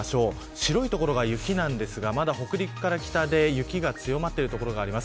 白い所が雪なんですがまだ北陸から北で雪が強まっている所があります。